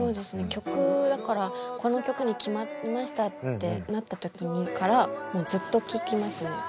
曲だからこの曲に決まりましたってなった時からもうずっと聴きますね。